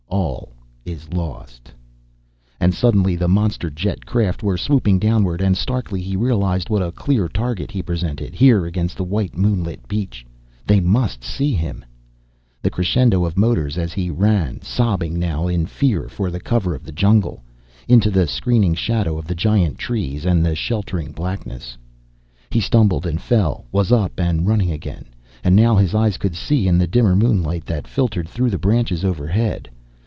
"All is lost!" And suddenly the monster jet craft were swooping downward and starkly he realized what a clear target he presented, here against the white moonlit beach. They must see him. The crescendo of motors as he ran, sobbing now in fear, for the cover of the jungle. Into the screening shadow of the giant trees, and the sheltering blackness. He stumbled and fell, was up and running again. And now his eyes could see in the dimmer moonlight that filtered through the branches overhead.